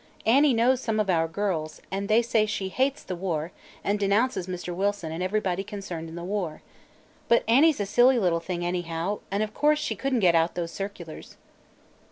Annie knows some of our girls, and they say she hates the war and denounces Mr. Wilson and everybody concerned in the war. But Annie's a silly little thing, anyhow, and of course she couldn't get out those circulars."